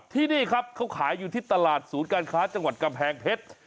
ที่นี่ครับเขาขายอยู่ที่ตลาดศูนย์การค้าจังหวัดกำแพงเพชร